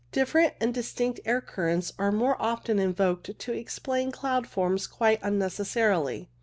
Different and distinct air currents are often invoked to explain cloud forms quite unnecessarily.